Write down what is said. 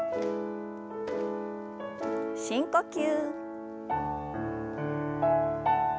深呼吸。